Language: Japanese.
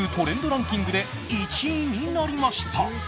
ランキングで１位になりました。